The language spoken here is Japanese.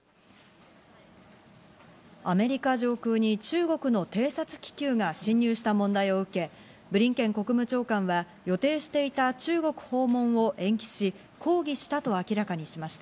アメリカ上空に中国の偵察気球が侵入した問題を受け、ブリンケン国務長官は予定していた中国訪問を延期し、抗議したと明らかにしました。